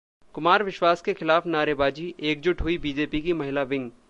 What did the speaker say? कुमार विश्वास के खिलाफ नारेबाजी, एकजुट हुई बीजेपी की महिला विंग